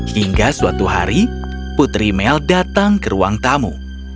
hingga suatu hari putri mel datang ke ruang tamu